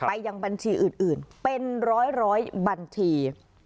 ยังบัญชีอื่นเป็นร้อยบัญชี